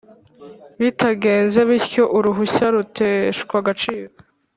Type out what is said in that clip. Bitagenze bityo uruhushya ruteshwa agaciro